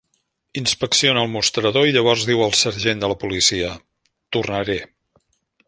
Inspecciona el mostrador i llavors diu al sergent de la policia: tornaré.